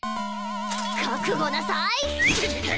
覚悟なさい！